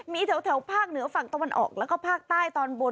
มีแถวภาคเหนือฝั่งตะวันออกแล้วก็ภาคใต้ตอนบน